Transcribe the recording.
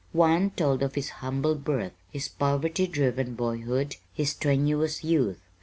One told of his humble birth, his poverty driven boyhood, his strenuous youth.